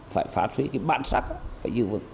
phải phát huy cái bản sắc phải dự vực